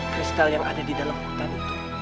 kristal yang ada di dalam hutan itu